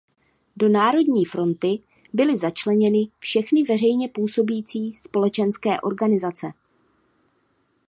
Do Národní fronty byly začleněny všechny veřejně působící společenské organizace.